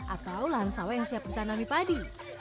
atau lansawa yang siap mencanami padi